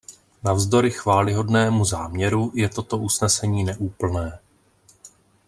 Navzdory chvályhodnému záměru je toto usnesení neúplné.